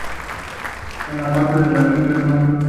Es parte de la región No.